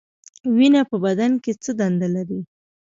وینه په بدن کې څه دنده لري؟